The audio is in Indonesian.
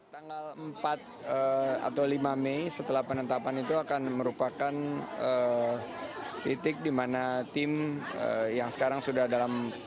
tanggal empat atau lima mei setelah penetapan itu akan merupakan titik di mana tim yang sekarang sudah dalam